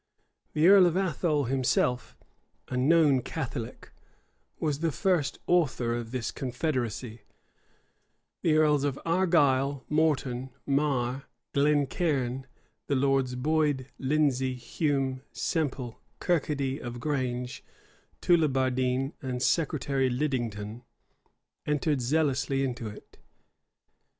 [*]* Keith, p. 394. The earl of Athole himself, a known Catholic, was the first author of this confederacy, the earls of Argyle, Morton, Marre, Glencairne, the lords Boyd, Lindesey, Hume, Semple, Kirkaldy of Grange, Tulibardine, and Secretary Lidington, entered zealously into it.